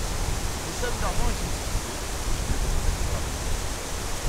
Des sommes d'argent y sont distribuées, ainsi que des promesses de grade.